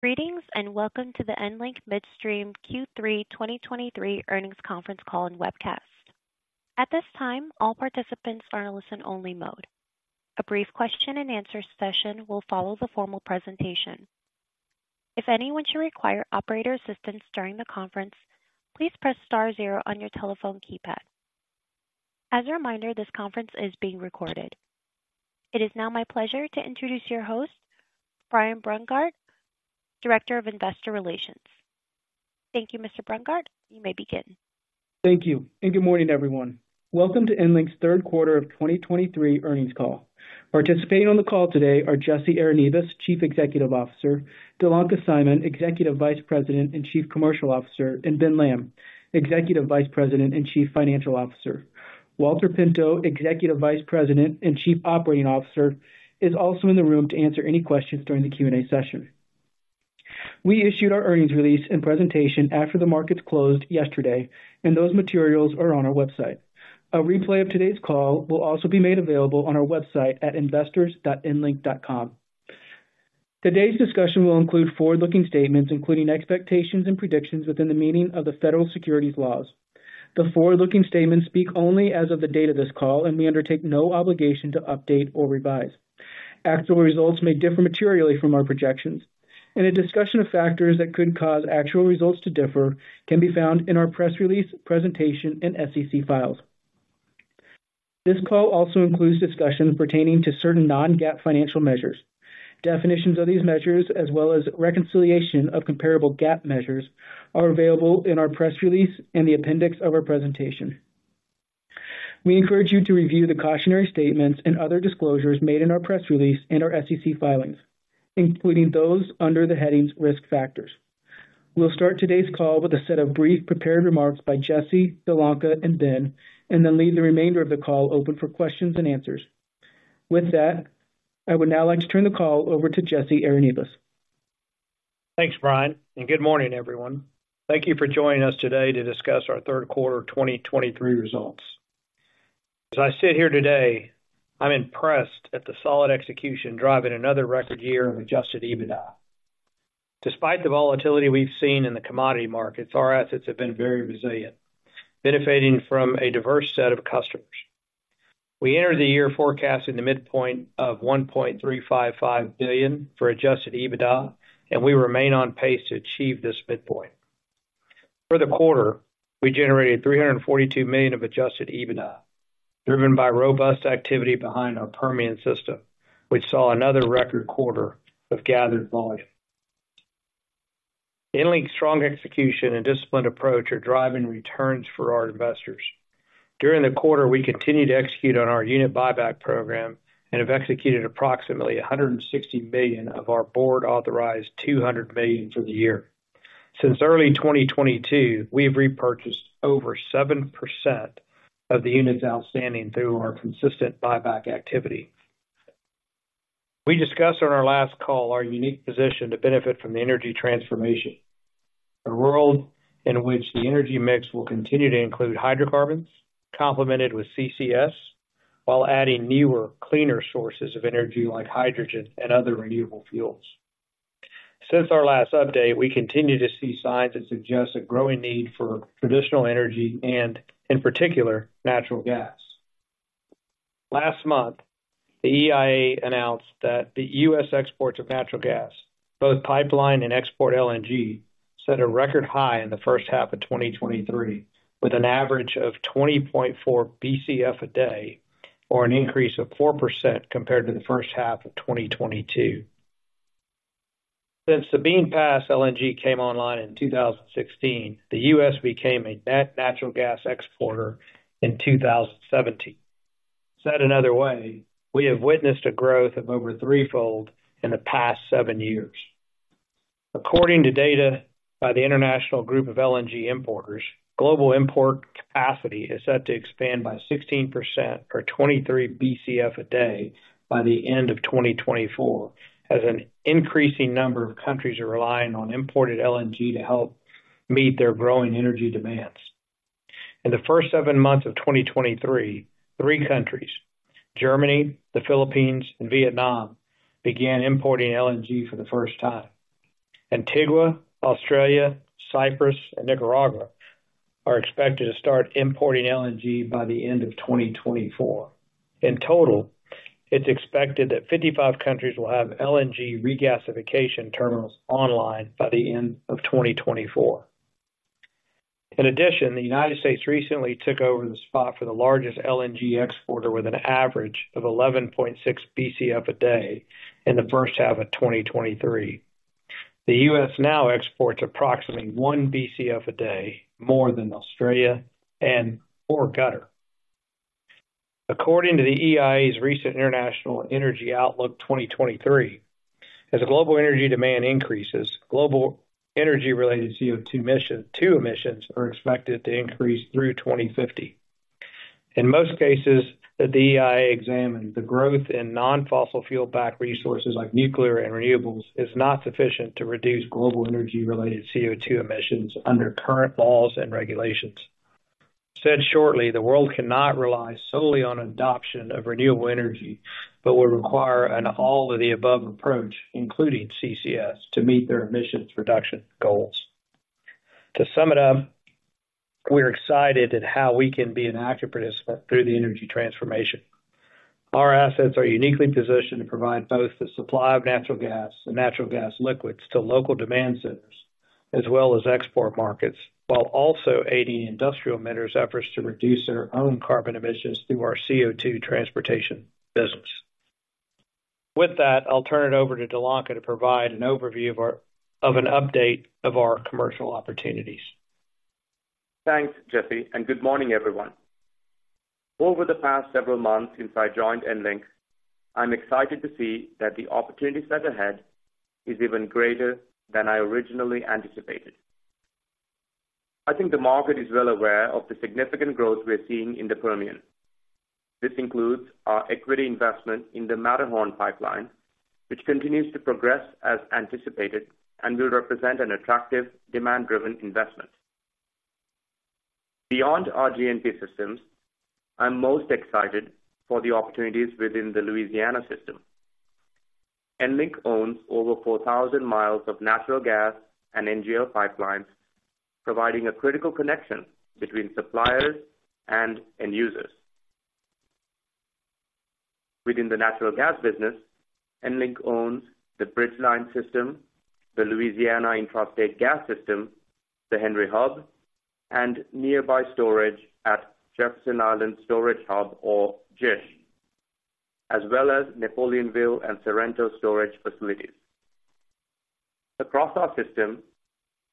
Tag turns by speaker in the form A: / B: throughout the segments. A: Greetings, and welcome to the EnLink Midstream Q3 2023 earnings conference call and webcast. At this time, all participants are in a listen-only mode. A brief question and answer session will follow the formal presentation. If anyone should require operator assistance during the conference, please press star zero on your telephone keypad. As a reminder, this conference is being recorded. It is now my pleasure to introduce your host, Brian Brungardt, Director of Investor Relations. Thank you, Mr. Brungardt. You may begin.
B: Thank you, and good morning, everyone. Welcome to EnLink's third quarter of 2023 earnings call. Participating on the call today are Jesse Arenivas, Chief Executive Officer, Dilanka Seimon, Executive Vice President and Chief Commercial Officer, and Ben Lamb, Executive Vice President and Chief Financial Officer. Walter Pinto, Executive Vice President and Chief Operating Officer, is also in the room to answer any questions during the Q&A session. We issued our earnings release and presentation after the markets closed yesterday, and those materials are on our website. A replay of today's call will also be made available on our website at investors.enlink.com. Today's discussion will include forward-looking statements, including expectations and predictions within the meaning of the federal securities laws. The forward-looking statements speak only as of the date of this call, and we undertake no obligation to update or revise. Actual results may differ materially from our projections, and a discussion of factors that could cause actual results to differ can be found in our press release, presentation, and SEC files. This call also includes discussions pertaining to certain non-GAAP financial measures. Definitions of these measures, as well as reconciliation of comparable GAAP measures, are available in our press release and the appendix of our presentation. We encourage you to review the cautionary statements and other disclosures made in our press release and our SEC filings, including those under the headings Risk Factors. We'll start today's call with a set of brief prepared remarks by Jesse, Dilanka, and Ben, and then leave the remainder of the call open for questions and answers. With that, I would now like to turn the call over to Jesse Arenivas.
C: Thanks, Brian, and good morning, everyone. Thank you for joining us today to discuss our third quarter 2023 results. As I sit here today, I'm impressed at the solid execution, driving another record year of adjusted EBITDA. Despite the volatility we've seen in the commodity markets, our assets have been very resilient, benefiting from a diverse set of customers. We entered the year forecasting the midpoint of $1.355 billion for adjusted EBITDA, and we remain on pace to achieve this midpoint. For the quarter, we generated $342 million of adjusted EBITDA, driven by robust activity behind our Permian system, which saw another record quarter of gathered volume. EnLink's strong execution and disciplined approach are driving returns for our investors. During the quarter, we continued to execute on our unit buyback program and have executed approximately $160 million of our board-authorized $200 million for the year. Since early 2022, we have repurchased over 7% of the units outstanding through our consistent buyback activity. We discussed on our last call our unique position to benefit from the energy transformation, a world in which the energy mix will continue to include hydrocarbons, complemented with CCS, while adding newer, cleaner sources of energy like hydrogen and other renewable fuels. Since our last update, we continue to see signs that suggest a growing need for traditional energy and, in particular, natural gas. Last month, the EIA announced that the U.S. exports of natural gas, both pipeline and export LNG, set a record high in the first half of 2023, with an average of 20.4 BCF a day, or an increase of 4% compared to the first half of 2022. Since Sabine Pass LNG came online in 2016, the U.S. became a net natural gas exporter in 2017. Said another way, we have witnessed a growth of over threefold in the past seven years. According to data by the International Group of LNG Importers, global import capacity is set to expand by 16%, or 23 BCF a day, by the end of 2024, as an increasing number of countries are relying on imported LNG to help meet their growing energy demands. In the first 7 months of 2023, three countries, Germany, the Philippines, and Vietnam, began importing LNG for the first time. Antigua, Australia, Cyprus, and Nicaragua are expected to start importing LNG by the end of 2024. In total, it's expected that 55 countries will have LNG regasification terminals online by the end of 2024. In addition, the United States recently took over the spot for the largest LNG exporter, with an average of 11.6 BCF a day in the first half of 2023. The U.S. now exports approximately 1 BCF a day, more than Australia and Qatar. According to the EIA's recent International Energy Outlook 2023, as global energy demand increases, global energy-related CO₂ emissions are expected to increase through 2050. In most cases, the EIA examined the growth in non-fossil fuel backed resources like nuclear and renewables is not sufficient to reduce global energy-related CO₂ emissions under current laws and regulations.... In short, the world cannot rely solely on adoption of renewable energy, but will require an all-of-the-above approach, including CCS, to meet their emissions reduction goals. To sum it up, we're excited at how we can be an active participant through the energy transformation. Our assets are uniquely positioned to provide both the supply of natural gas and natural gas liquids to local demand centers, as well as export markets, while also aiding industrial emitters' efforts to reduce their own carbon emissions through our CO₂ transportation business. With that, I'll turn it over to Dilanka to provide an overview of an update of our commercial opportunities.
D: Thanks, Jesse, and good morning, everyone. Over the past several months since I joined EnLink, I'm excited to see that the opportunities that are ahead is even greater than I originally anticipated. I think the market is well aware of the significant growth we're seeing in the Permian. This includes our equity investment in the Matterhorn pipeline, which continues to progress as anticipated and will represent an attractive demand-driven investment. Beyond our G&P systems, I'm most excited for the opportunities within the Louisiana system. EnLink owns over 4,000 miles of natural gas and NGL pipelines, providing a critical connection between suppliers and end users. Within the natural gas business, EnLink owns the Bridgeline system, the Louisiana Intrastate Gas System, the Henry Hub, and nearby storage at Jefferson Island Storage Hub, or JISH, as well as Napoleonville and Sorrento storage facilities. Across our system,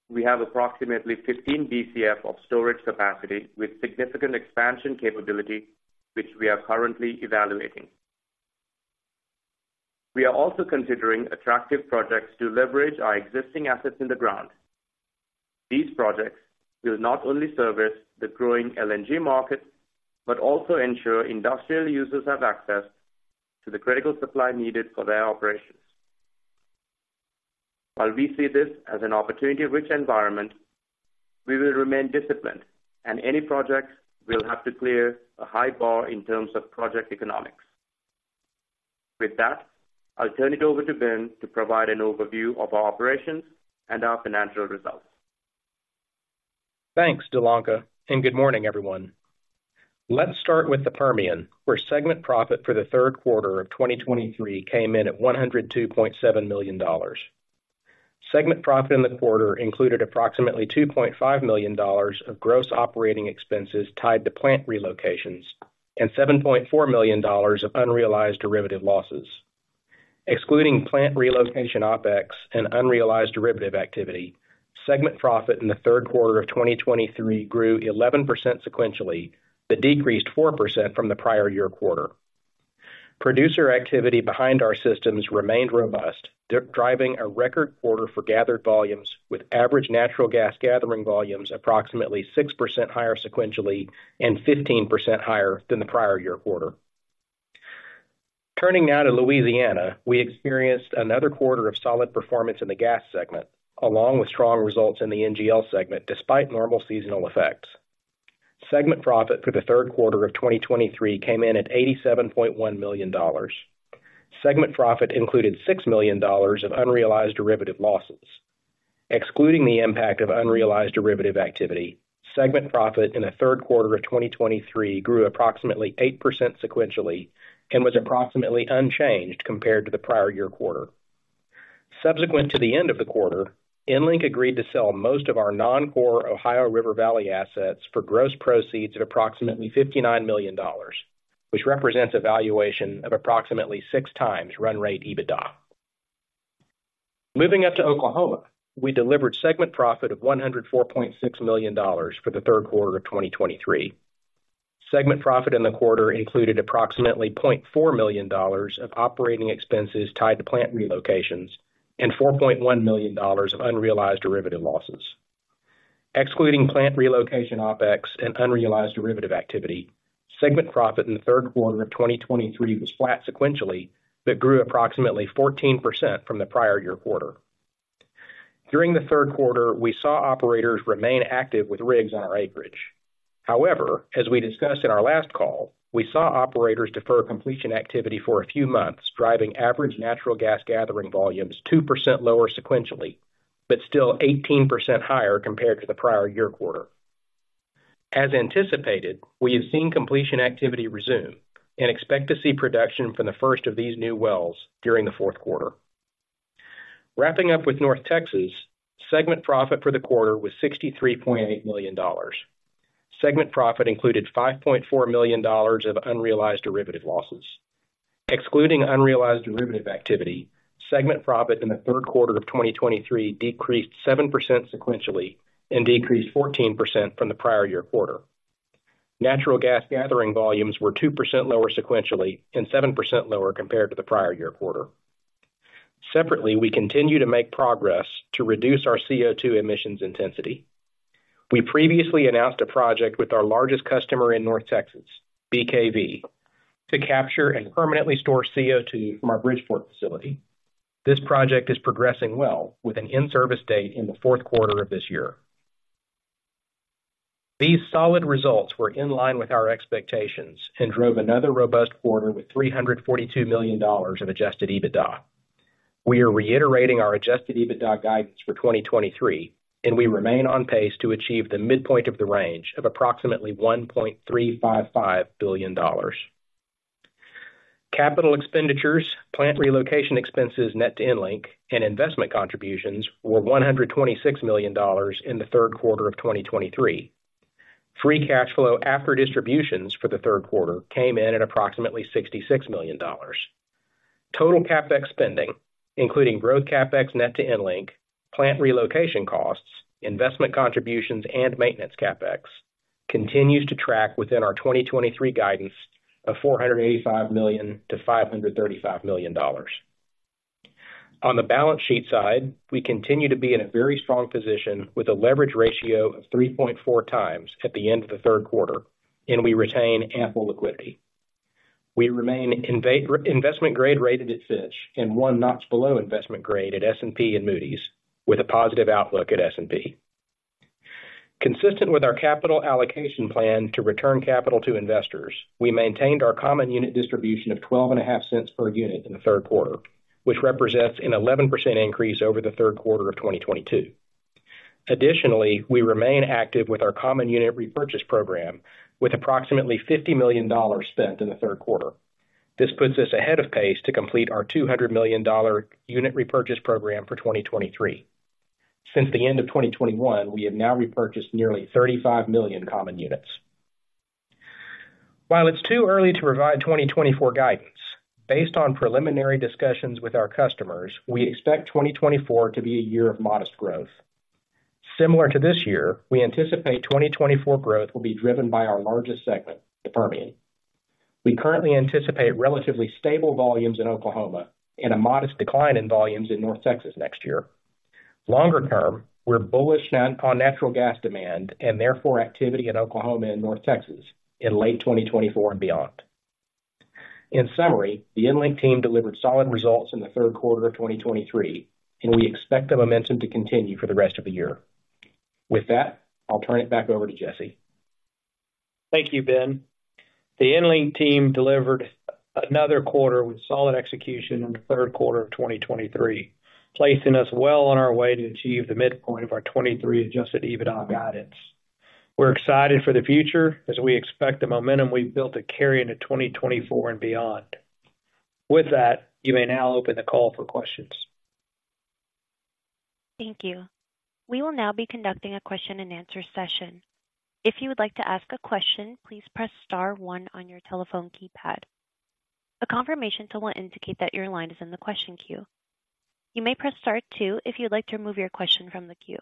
D: we have approximately 15 BCF of storage capacity with significant expansion capability, which we are currently evaluating. We are also considering attractive projects to leverage our existing assets in the ground. These projects will not only service the growing LNG market, but also ensure industrial users have access to the critical supply needed for their operations. While we see this as an opportunity-rich environment, we will remain disciplined, and any projects will have to clear a high bar in terms of project economics. With that, I'll turn it over to Benjamin to provide an overview of our operations and our financial results.
E: Thanks, Dilanka, and good morning, everyone. Let's start with the Permian, where segment profit for the third quarter of 2023 came in at $102.7 million. Segment profit in the quarter included approximately $2.5 million of gross operating expenses tied to plant relocations and $7.4 million of unrealized derivative losses. Excluding plant relocation OpEx and unrealized derivative activity, segment profit in the third quarter of 2023 grew 11% sequentially, but decreased 4% from the prior year quarter. Producer activity behind our systems remained robust, driving a record quarter for gathered volumes, with average natural gas gathering volumes approximately 6% higher sequentially and 15% higher than the prior year quarter. Turning now to Louisiana, we experienced another quarter of solid performance in the gas segment, along with strong results in the NGL segment, despite normal seasonal effects. Segment profit for the third quarter of 2023 came in at $87.1 million. Segment profit included $6 million of unrealized derivative losses. Excluding the impact of unrealized derivative activity, segment profit in the third quarter of 2023 grew approximately 8% sequentially and was approximately unchanged compared to the prior year quarter. Subsequent to the end of the quarter, EnLink agreed to sell most of our non-core Ohio River Valley assets for gross proceeds at approximately $59 million, which represents a valuation of approximately 6x run rate EBITDA. Moving up to Oklahoma, we delivered segment profit of $104.6 million for the third quarter of 2023. Segment profit in the quarter included approximately $0.4 million of operating expenses tied to plant relocations and $4.1 million of unrealized derivative losses. Excluding plant relocation, OpEx, and unrealized derivative activity, segment profit in the third quarter of 2023 was flat sequentially, but grew approximately 14% from the prior year quarter. During the third quarter, we saw operators remain active with rigs on our acreage. However, as we discussed in our last call, we saw operators defer completion activity for a few months, driving average natural gas gathering volumes 2% lower sequentially, but still 18% higher compared to the prior year quarter. As anticipated, we have seen completion activity resume and expect to see production from the first of these new wells during the fourth quarter. Wrapping up with North Texas, segment profit for the quarter was $63.8 million. Segment profit included $5.4 million of unrealized derivative losses. Excluding unrealized derivative activity, segment profit in the third quarter of 2023 decreased 7% sequentially and decreased 14% from the prior year quarter. Natural gas gathering volumes were 2% lower sequentially and 7% lower compared to the prior year quarter. Separately, we continue to make progress to reduce our CO₂ emissions intensity. We previously announced a project with our largest customer in North Texas, BKV, to capture and permanently store CO₂ from our Bridgeport facility.... This project is progressing well, with an in-service date in the fourth quarter of this year. These solid results were in line with our expectations and drove another robust quarter with $342 million of Adjusted EBITDA. We are reiterating our Adjusted EBITDA guidance for 2023, and we remain on pace to achieve the midpoint of the range of approximately $1.355 billion. Capital expenditures, plant relocation expenses net to EnLink, and investment contributions were $126 million in the third quarter of 2023. Free cash flow after distributions for the third quarter came in at approximately $66 million. Total CapEx spending, including growth CapEx net to EnLink, plant relocation costs, investment contributions, and maintenance CapEx, continues to track within our 2023 guidance of $485-535 million. On the balance sheet side, we continue to be in a very strong position with a leverage ratio of 3.4 times at the end of the third quarter, and we retain ample liquidity. We remain investment grade rated at Fitch and one notch below investment grade at S&P and Moody's, with a positive outlook at S&P. Consistent with our capital allocation plan to return capital to investors, we maintained our common unit distribution of $0.125 per unit in the third quarter, which represents an 11% increase over the third quarter of 2022. Additionally, we remain active with our common unit repurchase program, with approximately $50 million spent in the third quarter. This puts us ahead of pace to complete our $200 million unit repurchase program for 2023. Since the end of 2021, we have now repurchased nearly 35 million common units. While it's too early to provide 2024 guidance, based on preliminary discussions with our customers, we expect 2024 to be a year of modest growth. Similar to this year, we anticipate 2024 growth will be driven by our largest segment, the Permian. We currently anticipate relatively stable volumes in Oklahoma and a modest decline in volumes in North Texas next year. Longer term, we're bullish on natural gas demand and therefore activity in Oklahoma and North Texas in late 2024 and beyond. In summary, the EnLink team delivered solid results in the third quarter of 2023, and we expect the momentum to continue for the rest of the year. With that, I'll turn it back over to Jesse.
C: Thank you, Ben. The EnLink team delivered another quarter with solid execution in the third quarter of 2023, placing us well on our way to achieve the midpoint of our 2023 Adjusted EBITDA guidance. We're excited for the future as we expect the momentum we've built to carry into 2024 and beyond. With that, you may now open the call for questions.
A: Thank you. We will now be conducting a question-and-answer session. If you would like to ask a question, please press star one on your telephone keypad. A confirmation tone will indicate that your line is in the question queue. You may press star two if you'd like to remove your question from the queue.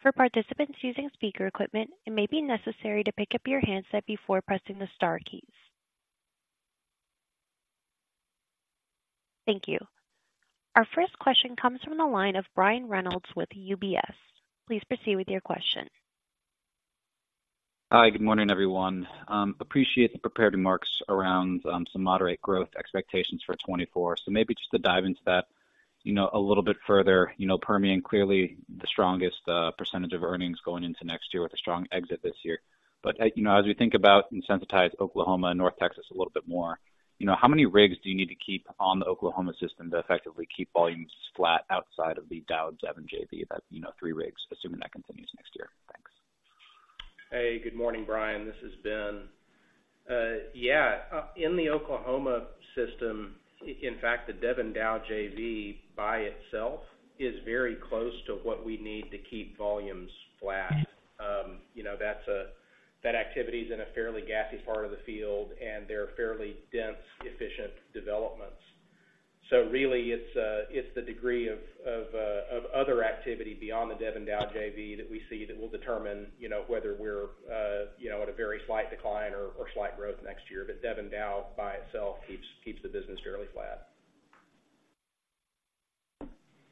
A: For participants using speaker equipment, it may be necessary to pick up your handset before pressing the star keys. Thank you. Our first question comes from the line of Brian Reynolds with UBS. Please proceed with your question.
F: Hi, good morning, everyone. Appreciate the prepared remarks around some moderate growth expectations for 2024. So maybe just to dive into that, you know, a little bit further. You know, Permian, clearly the strongest percentage of earnings going into next year with a strong exit this year. But, you know, as we think about and sensitize Oklahoma and North Texas a little bit more, you know, how many rigs do you need to keep on the Oklahoma system to effectively keep volumes flat outside of the Dow Devon JV, that, you know, three rigs, assuming that continues next year? Thanks.
E: Hey, good morning, Brian. This is Ben. In the Oklahoma system, in fact, the Devon Dow JV by itself is very close to what we need to keep volumes flat You know, that activity is in a fairly gassy part of the field, and they're fairly dense, efficient developments. So really, it's the degree of other activity beyond the Devon Dow JV that we see that will determine, you know, whether we're at a very slight decline or slight growth next year. But Devon Dow, by itself, keeps the business fairly flat.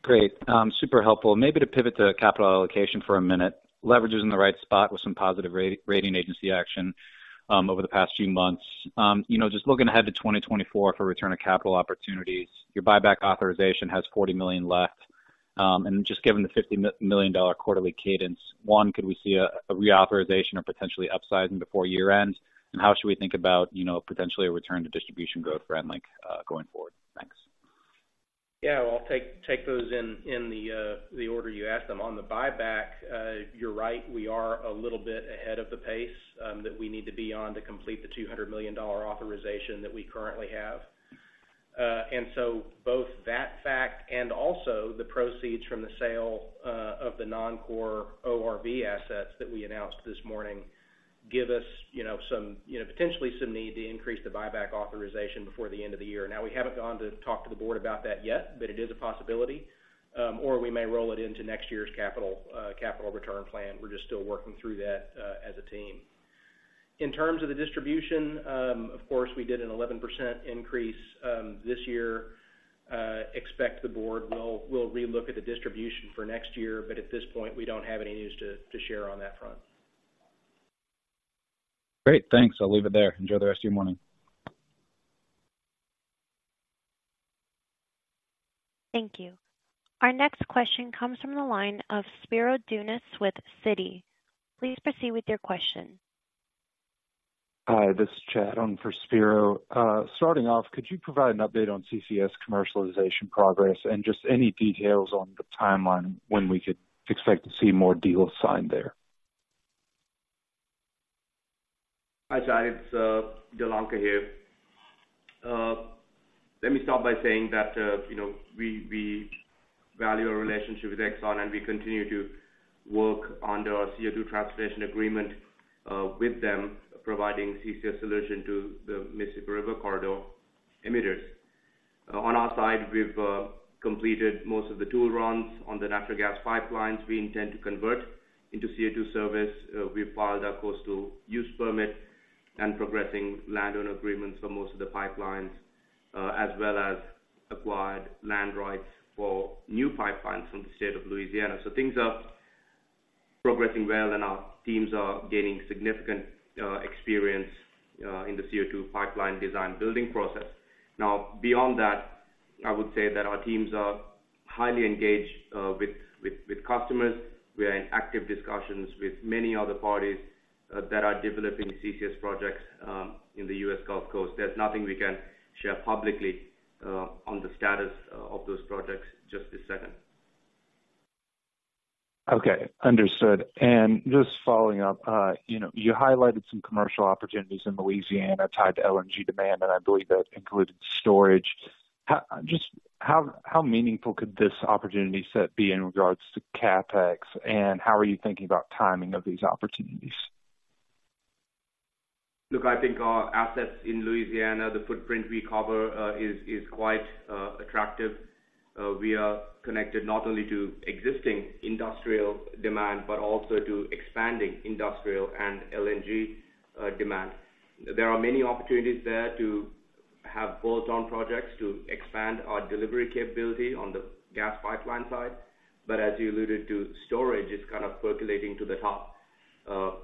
F: Great. Super helpful. Maybe to pivot to capital allocation for a minute. Leverage is in the right spot with some positive rating agency action over the past few months. You know, just looking ahead to 2024 for return of capital opportunities, your buyback authorization has $40 million left. And just given the $50 million quarterly cadence, could we see a reauthorization or potentially upsizing before year-end? And how should we think about, you know, potentially a return to distribution growth for EnLink going forward? Thanks.
E: Yeah, well, I'll take those in the order you asked them. On the buyback, you're right, we are a little bit ahead of the pace that we need to be on to complete the $200 million authorization that we currently have. And so both that fact and also the proceeds from the sale of the non-core ORV assets that we announced this morning give us, you know, some, you know, potentially some need to increase the buyback authorization before the end of the year. Now, we haven't gone to talk to the board about that yet, but it is a possibility, or we may roll it into next year's capital return plan. We're just still working through that as a team. In terms of the distribution, of course, we did an 11% increase this year. Expect the board will relook at the distribution for next year, but at this point, we don't have any news to share on that front. ...
F: Great, thanks. I'll leave it there. Enjoy the rest of your morning.
A: Thank you. Our next question comes from the line of Spiro Dounis with Citi. Please proceed with your question.
G: Hi, this is Chad on for Spiro. Starting off, could you provide an update on CCS commercialization progress and just any details on the timeline when we could expect to see more deals signed there?
D: Hi, Chad, it's Dilanka here. Let me start by saying that, you know, we value our relationship with Exxon, and we continue to work on their CO₂ transportation agreement with them, providing CCS solution to the Mississippi River Corridor emitters. On our side, we've completed most of the tool runs on the natural gas pipelines we intend to convert into CO₂ service. We filed our coastal use permit and progressing landowner agreements for most of the pipelines, as well as acquired land rights for new pipelines from the state of Louisiana. So things are progressing well, and our teams are gaining significant experience in the CO₂ pipeline design building process. Now, beyond that, I would say that our teams are highly engaged with customers. We are in active discussions with many other parties that are developing CCS projects in the US Gulf Coast. There's nothing we can share publicly on the status of those projects just this second.
G: Okay, understood. Just following up, you know, you highlighted some commercial opportunities in Louisiana tied to LNG demand, and I believe that included storage. How just how meaningful could this opportunity set be in regards to CapEx, and how are you thinking about timing of these opportunities?
D: Look, I think our assets in Louisiana, the footprint we cover, is quite attractive. We are connected not only to existing industrial demand, but also to expanding industrial and LNG demand. There are many opportunities there to have bolt-on projects to expand our delivery capability on the gas pipeline side. But as you alluded to, storage is kind of percolating to the top.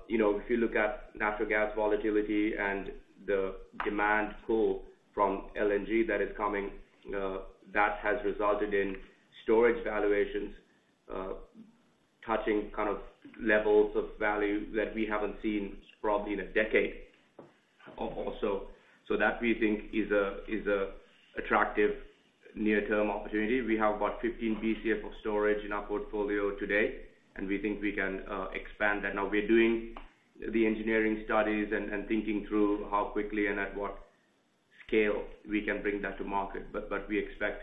D: You know, if you look at natural gas volatility and the demand pull from LNG that is coming, that has resulted in storage valuations touching kind of levels of value that we haven't seen probably in a decade or also. So that we think is an attractive near-term opportunity. We have about 15 BCF of storage in our portfolio today, and we think we can expand that. Now we're doing the engineering studies and thinking through how quickly and at what scale we can bring that to market, but we expect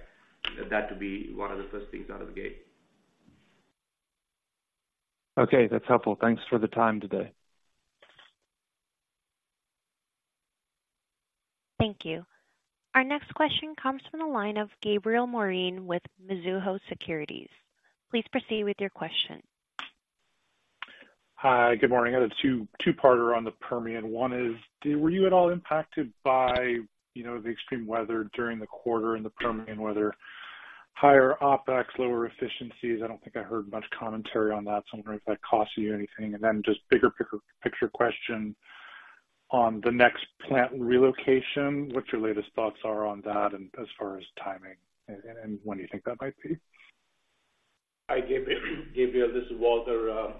D: that to be one of the first things out of the gate.
G: Okay, that's helpful. Thanks for the time today.
A: Thank you. Our next question comes from the line of Gabriel Moreen with Mizuho Securities. Please proceed with your question.
H: Hi, good morning. I have a two, two-parter on the Permian. One is, were you at all impacted by, you know, the extreme weather during the quarter in the Permian, whether higher OpEx, lower efficiencies? I don't think I heard much commentary on that, so I wonder if that cost you anything. And then just bigger picture question on the next plant relocation, what your latest thoughts are on that, and as far as timing, and, and when you think that might be?
I: Hi, Gabriel, this is Walter.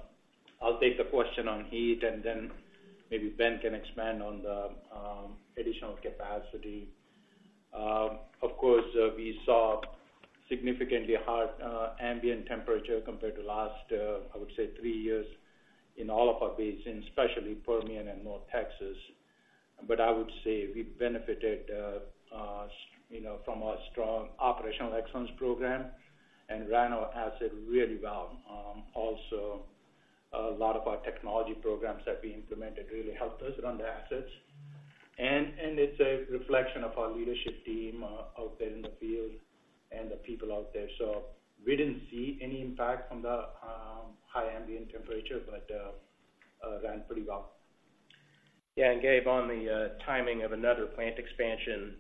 I: I'll take the question on heat, and then maybe Ben can expand on the additional capacity. Of course, we saw significantly high ambient temperature compared to last, I would say, three years in all of our basins, especially Permian and North Texas. But I would say we benefited, you know, from our strong operational excellence program and ran our asset really well. Also, a lot of our technology programs that we implemented really helped us run the assets. And it's a reflection of our leadership team out there in the field and the people out there. So we didn't see any impact from the high ambient temperature, but ran pretty well.
E: Yeah, and Gabriel, on the timing of another plant expansion,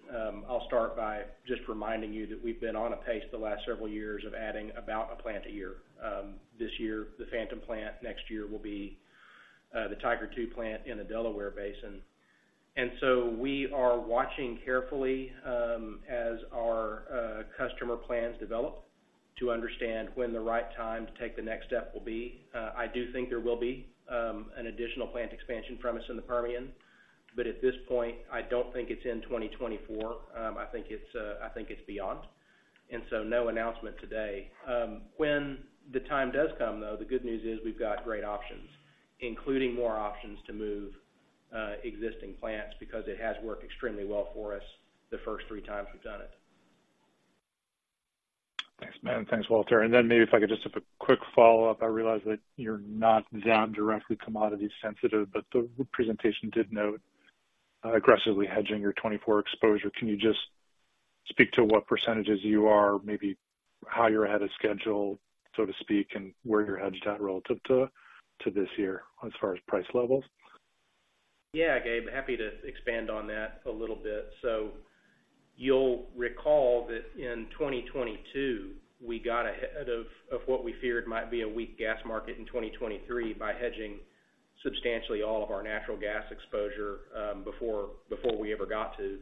E: I'll start by just reminding you that we've been on a pace the last several years of adding about a plant a year. This year, the Phantom Plant. Next year will be the Tiger II Plant in the Delaware Basin. And so we are watching carefully as our customer plans develop to understand when the right time to take the next step will be. I do think there will be an additional plant expansion from us in the Permian, but at this point, I don't think it's in 2024. I think it's beyond. And so no announcement today. When the time does come, though, the good news is we've got great options, including more options to move existing plants, because it has worked extremely well for us the first three times we've done it.
H: Thanks, Ben. Thanks, Walter. And then maybe if I could just have a quick follow-up. I realize that you're not that directly commodity sensitive, but the presentation did note aggressively hedging your 2024 exposure. Can you just speak to what percentages you are, maybe how you're ahead of schedule, so to speak, and where you're hedged at relative to this year as far as price levels?
E: Yeah, Gabriel, happy to expand on that a little bit. So, you'll recall that in 2022, we got ahead of what we feared might be a weak gas market in 2023 by hedging substantially all of our natural gas exposure before we ever got to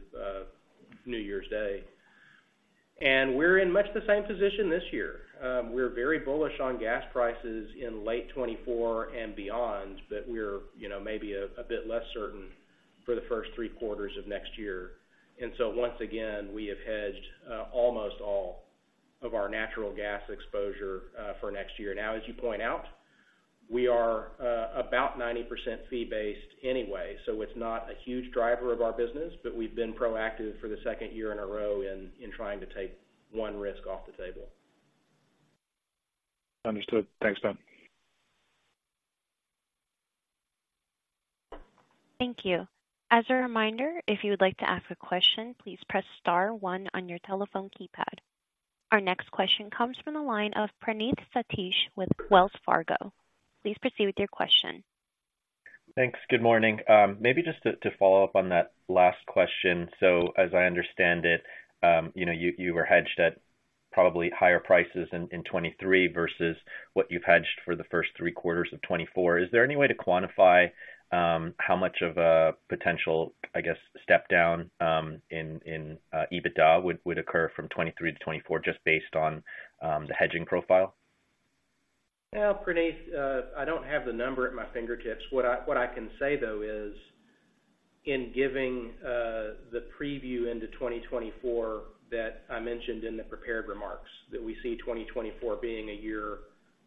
E: New Year's Day. And we're in much the same position this year. We're very bullish on gas prices in late 2024 and beyond, but we're, you know, maybe a bit less certain for the first three quarters of next year. And so once again, we have hedged almost all of our natural gas exposure for next year. Now, as you point out, we are about 90% fee-based anyway, so it's not a huge driver of our business, but we've been proactive for the second year in a row in trying to take one risk off the table.
H: Understood. Thanks, Ben.
A: Thank you. As a reminder, if you would like to ask a question, please press star one on your telephone keypad. Our next question comes from the line of Praneeth Satish with Wells Fargo. Please proceed with your question.
J: Thanks. Good morning. Maybe just to follow up on that last question. So as I understand it, you know, you were hedged at probably higher prices in 2023 versus what you've hedged for the first three quarters of 2024. Is there any way to quantify how much of a potential, I guess, step down in EBITDA would occur from 2023 to 2024, just based on the hedging profile?
E: Well, Praneeth, I don't have the number at my fingertips. What I, what I can say, though, is, in giving the preview into 2024, that I mentioned in the prepared remarks, that we see 2024 being a year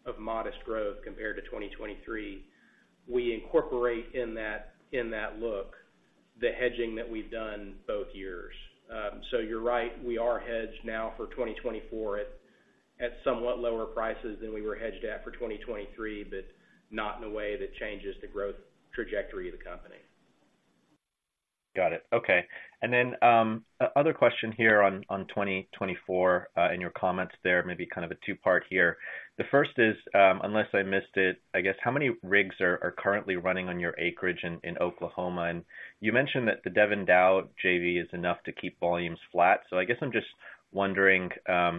E: of modest growth compared to 2023, we incorporate in that, in that look, the hedging that we've done both years. So you're right, we are hedged now for 2024 at, at somewhat lower prices than we were hedged at for 2023, but not in a way that changes the growth trajectory of the company.
J: Got it. Okay. And then other question here on 2024, in your comments there, maybe kind of a two-part here. The first is, unless I missed it, I guess, how many rigs are currently running on your acreage in Oklahoma? And you mentioned that the Devon Dow JV is enough to keep volumes flat. So I guess I'm just wondering,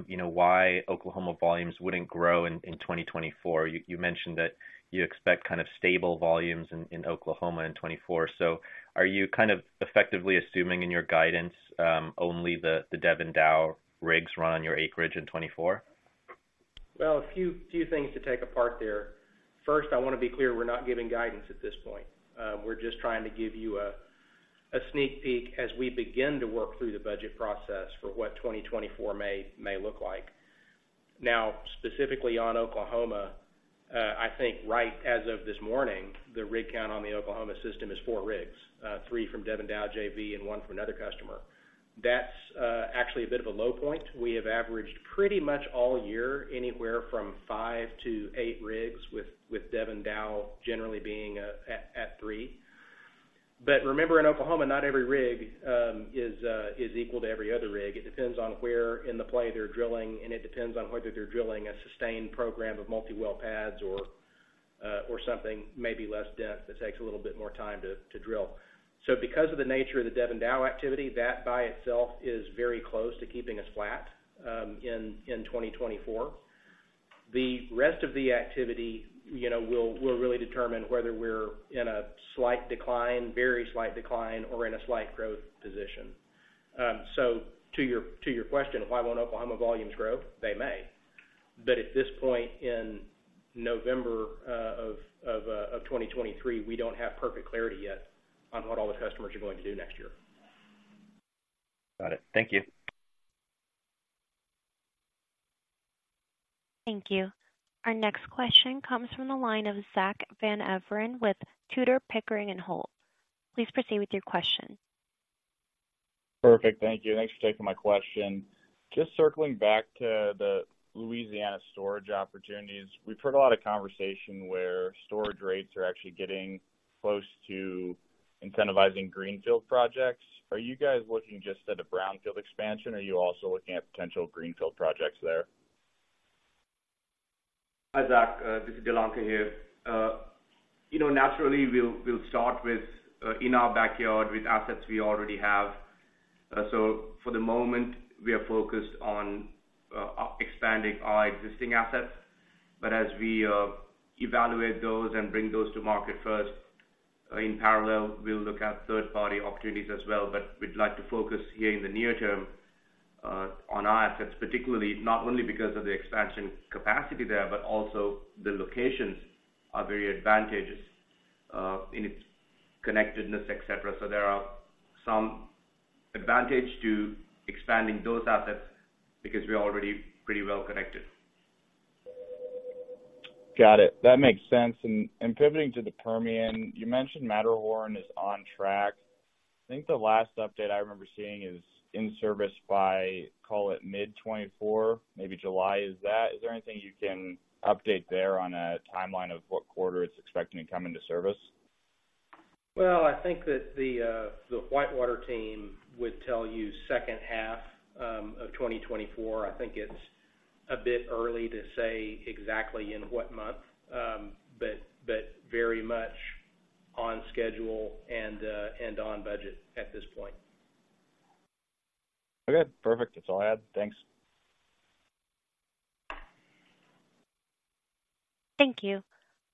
J: you know, why Oklahoma volumes wouldn't grow in 2024. You mentioned that you expect kind of stable volumes in Oklahoma in 2024. So are you kind of effectively assuming in your guidance, only the Devon Dow rigs run on your acreage in 2024?
E: Well, a few things to take apart there. First, I want to be clear, we're not giving guidance at this point. We're just trying to give you a sneak peek as we begin to work through the budget process for what 2024 may look like. Now, specifically on Oklahoma, I think right as of this morning, the rig count on the Oklahoma system is four rigs, three from Devon Dow JV and one from another customer. That's actually a bit of a low point. We have averaged pretty much all year, anywhere from five to eight rigs, with Devon Dow generally being at three. But remember, in Oklahoma, not every rig is equal to every other rig. It depends on where in the play they're drilling, and it depends on whether they're drilling a sustained program of multi-well pads or, or something maybe less dense that takes a little bit more time to, to drill. So because of the nature of the Devon Dow activity, that by itself is very close to keeping us flat, in 2024. The rest of the activity, you know, will really determine whether we're in a slight decline, very slight decline, or in a slight growth position. So to your question, why won't Oklahoma volumes grow? They may. But at this point in November, of 2023, we don't have perfect clarity yet on what all the customers are going to do next year.
J: Got it. Thank you.
A: Thank you. Our next question comes from the line of Zack Van Everen with Tudor, Pickering, Holt & Co. Please proceed with your question.
K: Perfect. Thank you. Thanks for taking my question. Just circling back to the Louisiana storage opportunities. We've heard a lot of conversation where storage rates are actually getting close to incentivizing greenfield projects. Are you guys looking just at a brownfield expansion, or are you also looking at potential greenfield projects there?
D: Hi, Zach, this is Dilanka here. You know, naturally, we'll start with in our backyard with assets we already have. So for the moment, we are focused on expanding our existing assets. But as we evaluate those and bring those to market first, in parallel, we'll look at third-party opportunities as well. But we'd like to focus here in the near term on our assets, particularly, not only because of the expansion capacity there, but also the locations are very advantageous in its connectedness, et cetera. So there are some advantage to expanding those assets because we're already pretty well connected.
K: Got it. That makes sense. And, pivoting to the Permian, you mentioned Matterhorn is on track. I think the last update I remember seeing is in service by, call it mid-2024, maybe July. Is that, is there anything you can update there on a timeline of what quarter it's expecting to come into service?
E: Well, I think that the WhiteWater team would tell you second half of 2024. I think it's a bit early to say exactly in what month, but very much on schedule and on budget at this point.
K: Okay, perfect. That's all I had. Thanks.
A: Thank you.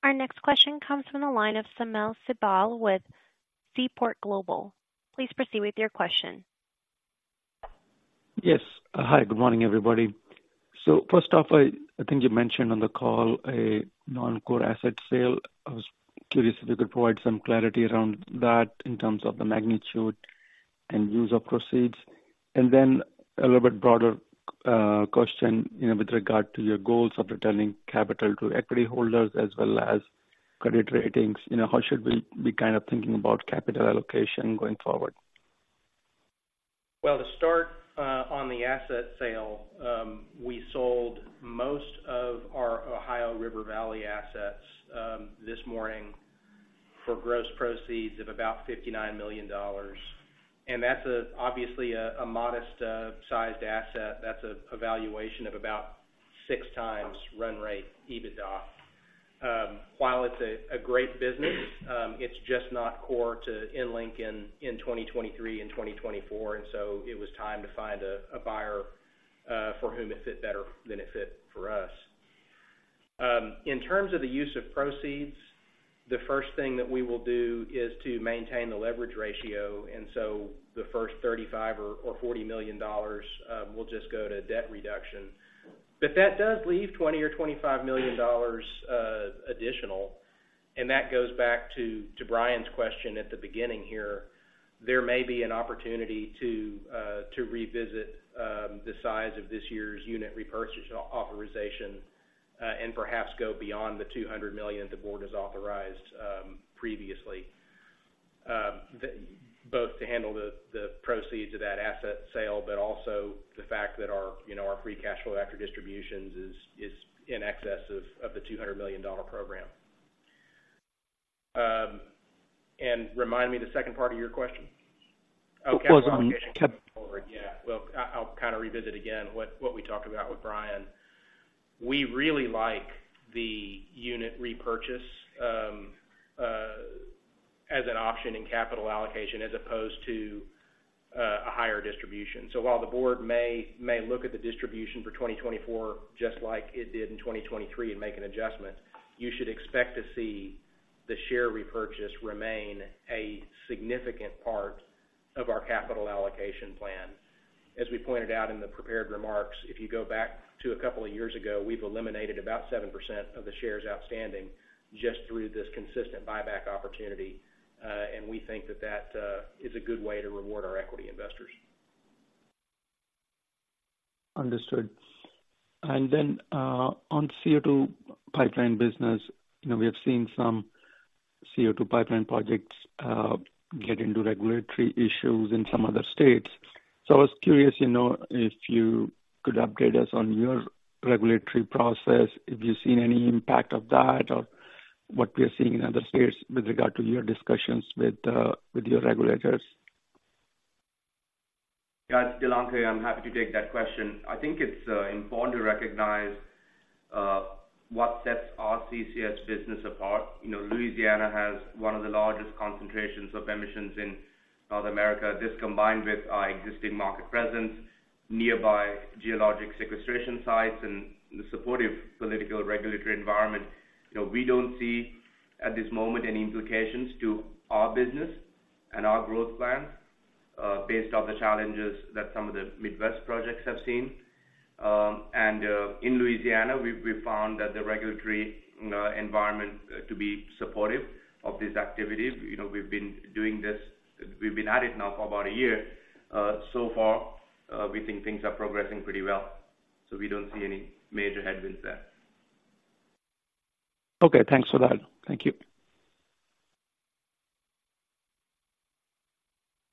A: Our next question comes from the line of Sunil Sibal with Seaport Global. Please proceed with your question.
L: Yes. Hi, good morning, everybody. So first off, I, I think you mentioned on the call a non-core asset sale. I was curious if you could provide some clarity around that in terms of the magnitude and use of proceeds. And then a little bit broader question, you know, with regard to your goals of returning capital to equity holders as well as credit ratings. You know, how should we be kind of thinking about capital allocation going forward?
E: Well, to start, on the asset sale, we sold most of our Ohio River Valley assets this morning for gross proceeds of about $59 million. That's obviously a modest sized asset. That's a valuation of about 6x run rate EBITDA. While it's a great business, it's just not core to EnLink in 2023 and 2024, and so it was time to find a buyer for whom it fit better than it fit for us. In terms of the use of proceeds, the first thing that we will do is to maintain the leverage ratio, and so the first $35-$40 million will just go to debt reduction. But that does leave $20-$25 million additional, and that goes back to Brian's question at the beginning here. There may be an opportunity to revisit the size of this year's unit repurchase authorization and perhaps go beyond the $200 million the board has authorized previously. To both handle the proceeds of that asset sale, but also the fact that our, you know, our free cash flow after distributions is in excess of the $200 million program. And remind me the second part of your question.
L: Capital allocation.
E: Well, I'll kind of revisit again what we talked about with Brian. We really like the unit repurchase as an option in capital allocation as opposed to a higher distribution. So while the board may look at the distribution for 2024, just like it did in 2023 and make an adjustment, you should expect to see the share repurchase remain a significant part of our capital allocation plan. As we pointed out in the prepared remarks, if you go back to a couple of years ago, we've eliminated about 7% of the shares outstanding just through this consistent buyback opportunity, and we think that that is a good way to reward our equity investors.
L: Understood. And then, on CO2 pipeline business, you know, we have seen some CO2 pipeline projects get into regulatory issues in some other states. So I was curious, you know, if you could update us on your regulatory process, if you've seen any impact of that, or what we are seeing in other states with regard to your discussions with your regulators?
D: Yeah, it's Dilanka. I'm happy to take that question. I think it's important to recognize what sets our CCS business apart. You know, Louisiana has one of the largest concentrations of emissions in North America. This, combined with our existing market presence, nearby geologic sequestration sites, and the supportive political regulatory environment, you know, we don't see, at this moment, any implications to our business and our growth plans based off the challenges that some of the Midwest projects have seen. And in Louisiana, we've found that the regulatory environment to be supportive of these activities. You know, we've been doing this. We've been at it now for about a year. So far, we think things are progressing pretty well, so we don't see any major headwinds there.
L: Okay, thanks for that. Thank you.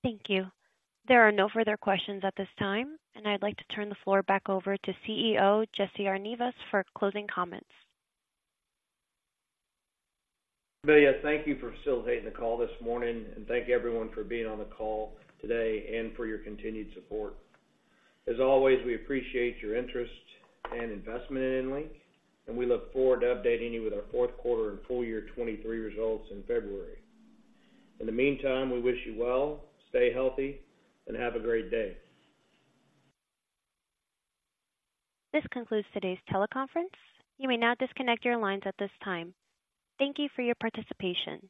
A: Thank you. There are no further questions at this time, and I'd like to turn the floor back over to CEO, Jesse Arenivas, for closing comments.
C: Billia, thank you for facilitating the call this morning, and thank you, everyone, for being on the call today and for your continued support. As always, we appreciate your interest and investment in EnLink, and we look forward to updating you with our fourth quarter and full year 2023 results in February. In the meantime, we wish you well, stay healthy, and have a great day.
A: This concludes today's teleconference. You may now disconnect your lines at this time. Thank you for your participation.